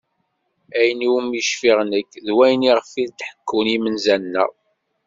Ayen iwumi cfiɣ nekk d wayen iɣef i d-ḥekkun yimenza-nneɣ.